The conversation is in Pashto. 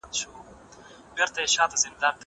زه مخکي د لوبو لپاره وخت نيولی وو!